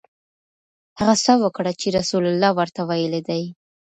هغه څه وکړه چې رسول الله ورته ویلي دي.